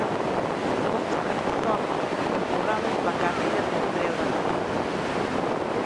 Todos os prezos soben, empurrados pola carreira sen freo da luz.